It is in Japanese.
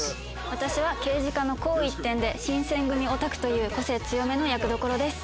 私は刑事課の紅一点で新撰組オタクという個性強めの役どころです。